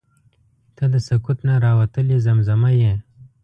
• ته د سکوت نه راوتلې زمزمه یې.